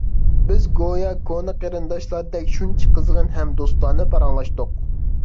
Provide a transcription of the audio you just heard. بىز گويا كونا قېرىنداشلاردەك شۇنچە قىزغىن ھەم دوستانە پاراڭلاشتۇق.